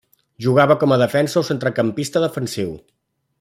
Jugava com a defensa o centrecampista defensiu.